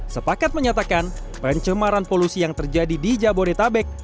sepakat menyatakan pencemaran polusi yang terjadi di jabodetabek